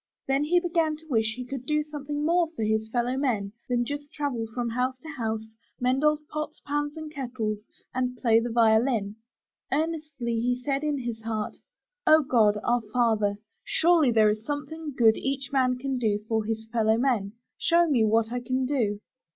Then he began to wish he could do something more for his fellowmen than 354 UP ONE PAIR OF STAIRS just travel from house to house, mend old pots, pans and kettles, and play the violin. Earnestly he said in his heart: *'0 God, our Father, surely there is something good each man can do for his fellowmen. Show me what I can do.